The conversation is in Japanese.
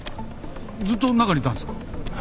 ずっと中にいたんですか？